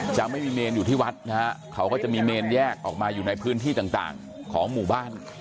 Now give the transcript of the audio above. จะไม่มีเมนอยู่ที่วัดนะฮะเขาก็จะมีเมนแยกออกมาอยู่ในพื้นที่ต่างของหมู่บ้าน